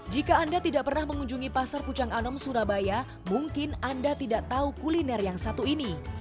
jika anda tidak pernah mengunjungi pasar pucang anom surabaya mungkin anda tidak tahu kuliner yang satu ini